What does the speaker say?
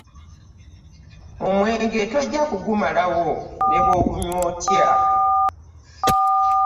Omwenge tojja kugumalawo ne bw'ogunywa otya.